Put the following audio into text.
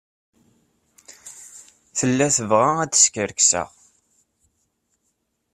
Tella tebɣa ad skerkseɣ.